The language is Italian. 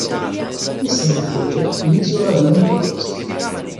Essa include l'isola d'Anticosti.